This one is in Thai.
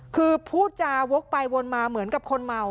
คือพูดจาวกไปวนมาเหมือนกับคนเมา